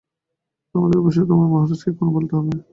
আমদের অবশ্যই তাদের মহারাজকে এক্ষুণি বলতে হবে।